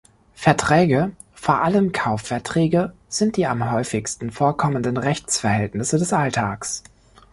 Verträge, vor allem Kaufverträge, sind die am häufigsten vorkommenden Rechtsverhältnisse des Alltags.